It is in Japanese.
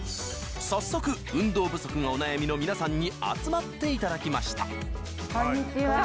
早速運動不足がお悩みの皆さんに集まっていただきましたこんにちは。